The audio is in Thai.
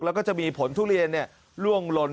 แล้วก็จะมีผลทุเรียนเนี่ยล่วงหล่น